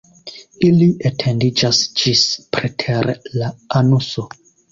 Ili etendiĝas ĝis preter la anuso.